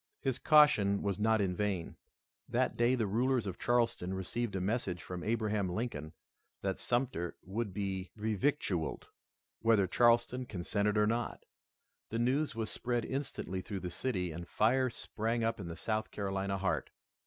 His caution was not in vain. That day the rulers of Charleston received a message from Abraham Lincoln that Sumter would be revictualled, whether Charleston consented or not. The news was spread instantly through the city and fire sprang up in the South Carolina heart.